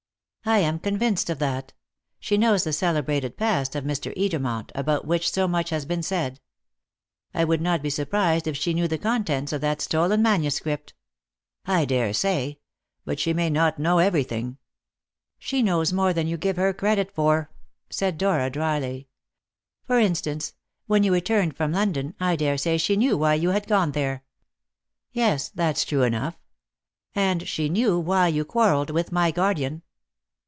"I am convinced of that. She knows the celebrated past of Mr. Edermont, about which so much has been said. I would not be surprised if she knew the contents of that stolen manuscript." "I dare say; but she may not know everything." "She knows more than you give her credit for," said Dora dryly. "For instance; when you returned from London, I dare say she knew why you had gone there." "Yes; that's true enough." "And she knew why you quarrelled with my guardian."